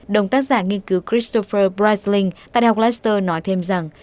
đồng tác giả nghiên cứu christopher bresling tại học leicester nói thêm rằng